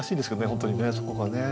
本当にねそこがね。